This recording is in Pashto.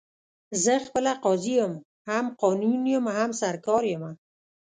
زه خپله قاضي یم، هم قانون یم، هم سرکار یمه